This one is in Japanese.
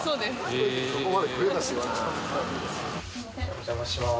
お邪魔しまーす。